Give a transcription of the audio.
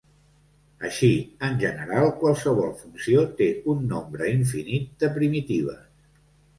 Així, en general qualsevol funció té un nombre infinit de primitives.